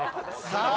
さあ。